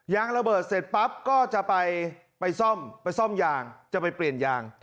ยางระเบิดเสร็จปั๊บก็จะไปซ่อมไปซ่อมยางจะไปเปลี่ยนยาง